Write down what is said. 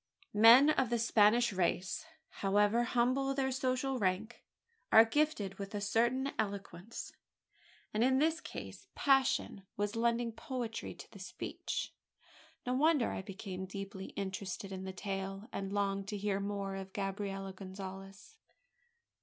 Men of the Spanish race however humble their social rank are gifted with a certain eloquence; and in this case passion was lending poetry to the speech. No wonder I became deeply interested in the tale, and longed to hear more of Gabriella Gonzales.